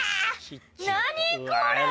何これ！